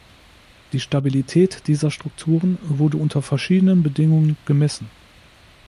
Die Stabilität dieser Strukturen wurde unter verschiedenen Bedingungen gemessen.